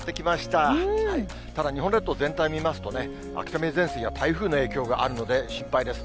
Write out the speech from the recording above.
ただ、日本列島全体を見ますと、秋雨前線や台風の影響があるので心配です。